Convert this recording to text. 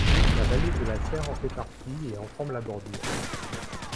La Vallée de la Serre en fait partie, et en forme la bordure.